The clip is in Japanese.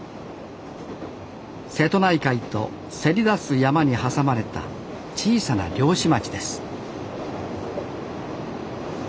瀬戸内海とせり出す山に挟まれた小さな漁師町です